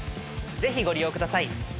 ぜひご利用ください。